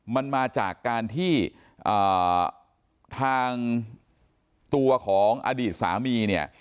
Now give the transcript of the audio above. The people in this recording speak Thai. มันมาจากการที่ทางตัวของอดีตสามีเนี่ย